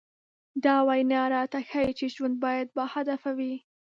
دا وينا راته ښيي چې ژوند بايد باهدفه وي.